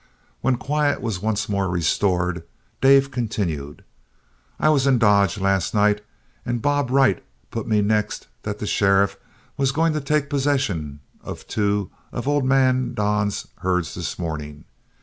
When quiet was once more restored, Dave continued: "I was in Dodge last night, and Bob Wright put me next that the sheriff was going to take possession of two of old man Don's herds this morning.